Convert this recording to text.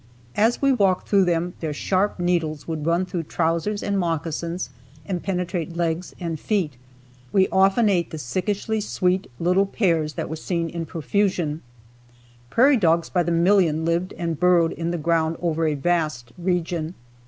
As we walked through them their sharp needles would run through trousers and moccasins and penetrate legs and feet. We often ate the sickishly sweet little pears that were seen in profusion. Prairie dogs by the million lived and burrowed in the ground over a vast region.